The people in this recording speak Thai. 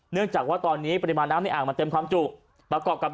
เนื่องจากว่าตอนนี้ปริมาณน้ำในอ่างมันเต็มความจุประกอบกับ